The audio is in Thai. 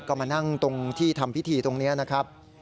ก็มานั่งตรงที่ทำพิธีตรงนี้นะครับ